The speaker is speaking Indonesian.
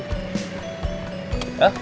udah selesai cek